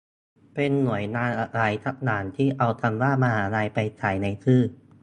เป็นหน่วยงานอะไรสักอย่างที่เอาคำว่า "มหาวิทยาลัย" ไปใส่ในชื่อ